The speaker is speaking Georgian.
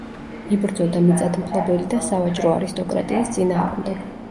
იბრძოდა მიწათმფლობელი და სავაჭრო არისტოკრატიის წინააღმდეგ.